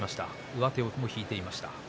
上手も引いてました。